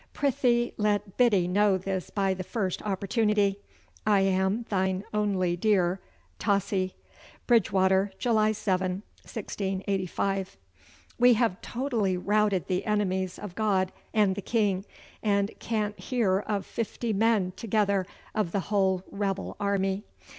Prythee let Biddy know this by the first opportunity. I am thyne onely deare, TOSSEY.' BRIDGEWATER: July 7, 1685. 'We have totally routed the enemies of God and the King, and can't hear of fifty men together of the whole rebel army.